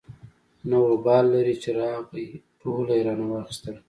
نه وبال لري چې راغی ټوله يې رانه واخېستله.